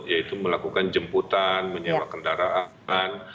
yaitu melakukan jemputan menyewa kendaraan